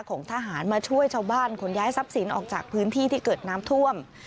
ของทหารมาช่วยชาวบ้านขนย้ายทรัพย์สินออกจากพื้นที่ที่เกิดน้ำท่วม